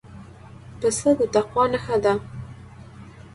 پسه د تقوی نښه ده.